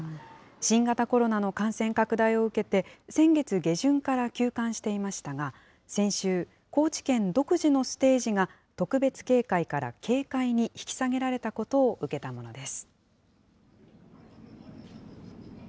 新型コロナの感染拡大を受けて、先月下旬から休館していましたが、先週、高知県独自のステージが、特別警戒から警戒に引き下げられたことを受けたものです。